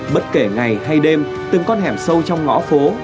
bất kể ngày hay đêm từng con hẻm sâu trong ngõ phố